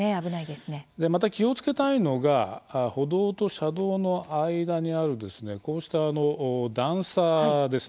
でまた気を付けたいのが歩道と車道の間にあるこうした段差ですね。